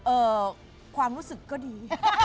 เอ่อความรู้สึกก็ดี